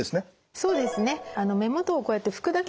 そうですね。